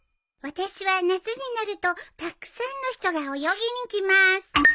私は夏になるとたくさんの人が泳ぎに来ます。